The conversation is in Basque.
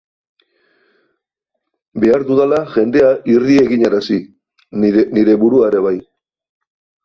Behar dudala jendea irri eginarazi, nire burua ere bai.